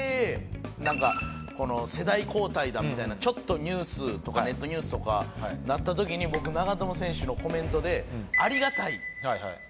なんか「世代交代だ」みたいなちょっとニュースとかネットニュースとかなった時に僕長友選手のコメントで「ありがたい」って出たじゃないですか。